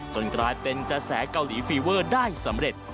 กลายเป็นกระแสเกาหลีฟีเวอร์ได้สำเร็จ